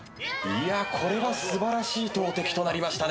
これは素晴らしい投てきとなりましたね。